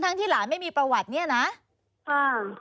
ที่หลานไม่มีประวัติเนี่ยนะค่ะ